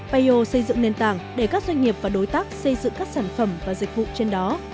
payo xây dựng nền tảng để các doanh nghiệp và đối tác xây dựng các sản phẩm và dịch vụ trên đó